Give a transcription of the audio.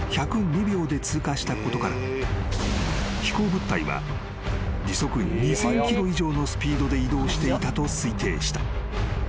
［飛行物体は時速２，０００キロ以上のスピードで移動していたと推定した］